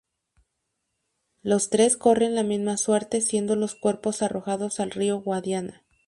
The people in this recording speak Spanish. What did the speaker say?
Los tres corren la misma suerte siendo los cuerpos arrojados al río Guadiana.